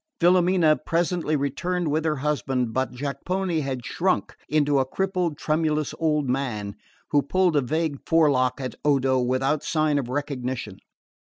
Filomena presently returned with her husband; but Jacopone had shrunk into a crippled tremulous old man, who pulled a vague forelock at Odo without sign of recognition.